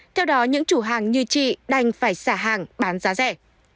theo đó những chủ hàng như chị đành phải xả hàng bán giá rẻ